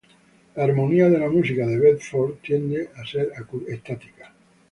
La armonía de la música de Bedford tiende a ser estática.